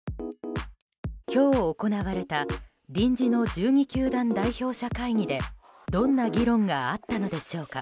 今日行われた臨時の１２球団代表者会議でどんな議論があったのでしょうか。